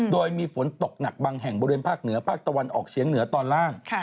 โดยมีฝนตกหนักบางแห่งบริเวณภาคเหนือภาคตะวันออกเฉียงเหนือตอนล่าง